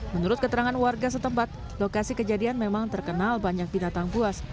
menurut keterangan warga setempat lokasi kejadian memang terkenal banyak binatang buas